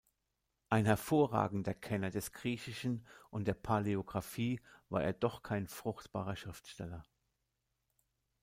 Ein hervorragender Kenner des Griechischen und der Paläographie, war er doch kein fruchtbarer Schriftsteller.